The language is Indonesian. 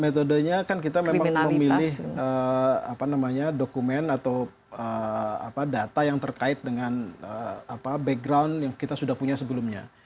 metodenya kan kita memang memilih dokumen atau data yang terkait dengan background yang kita sudah punya sebelumnya